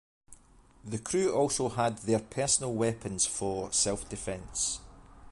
The crew also had their personal weapons for self-defense.